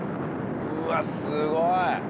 うわすごい！